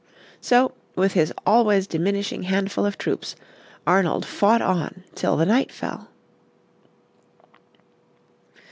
So, with his always diminishing handful of troops, Arnold fought on till night fell.